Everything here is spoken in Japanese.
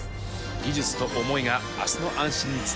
技術と思いが明日の安心につながっていく。